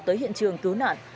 tới hiện trường cứu nạn